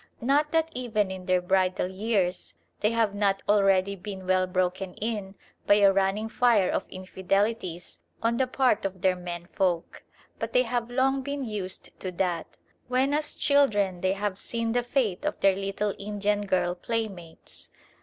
Not that even in their bridal years they have not already been well broken in by a running fire of infidelities on the part of their menfolk. But they have long been used to that, when as children they have seen the fate of their little Indian girl playmates.